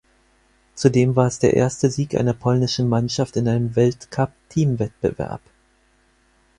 Zudem war es der erste Sieg einer polnischen Mannschaft in einem Weltcup-Teamwettbewerb.